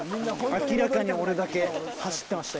明らかに俺だけ走ってました